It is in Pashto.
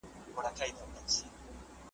مړی نه وو یوه لویه هنګامه وه `